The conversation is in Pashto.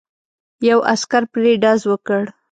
یو عسکر پرې ډز وکړ.